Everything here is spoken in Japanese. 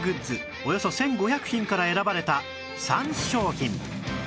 およそ１５００品から選ばれた３商品